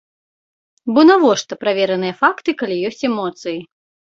Бо навошта правераныя факты, калі ёсць эмоцыі?